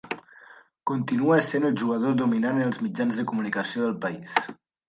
Continua essent el jugador dominant en els mitjans de comunicació del país.